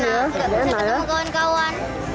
tidak bisa ketemu kawan kawan